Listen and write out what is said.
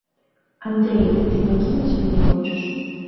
Андрэй, ты пакінуць мяне хочаш?